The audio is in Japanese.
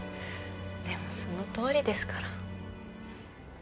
でもそのとおりですから。